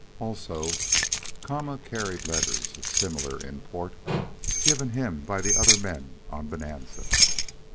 Also Kama carried letters of similar import, given him by the other men on Bonanza.